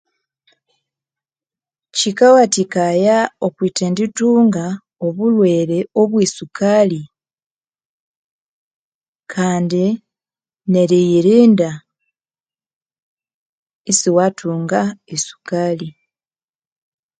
Kyikawathikaya okwithendithunga obulhwere obwesukali kandi neriyirinda isiwathunga esukali